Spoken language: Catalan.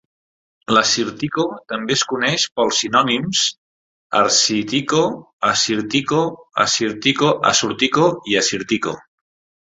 L'assyrtiko també es coneix pels sinònims arcytico, assirtico, assyrtico, asurtico i asyrtiko.